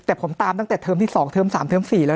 แต่ผมตามตั้งแต่เทอมที่สองเทอมสามเทอมสี่